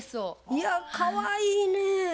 いやかわいいねぇ。